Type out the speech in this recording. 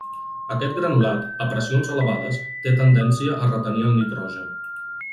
Aquest granulat, a pressions elevades té tendència a retenir el nitrogen.